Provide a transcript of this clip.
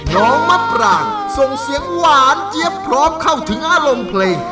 น้องมะปรางส่งเสียงหวานเจี๊ยบพร้อมเข้าถึงอารมณ์เพลง